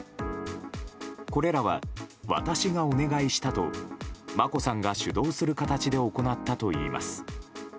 これらは私がお願いしたと眞子さんが主導する形で行ったといいます。